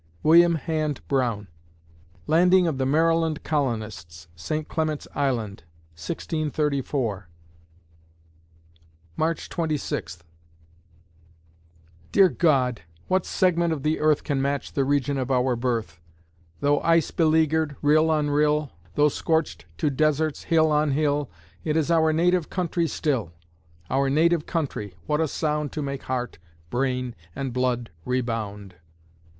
WILLIAM HAND BROWNE Landing of the Maryland colonists, St. Clement's Island, 1634 March Twenty Sixth Dear God! what segment of the earth Can match the region of our birth! Though ice beleaguered, rill on rill, Though scorched to deserts, hill on hill It is our native country still. Our native country, what a sound To make heart, brain, and blood rebound!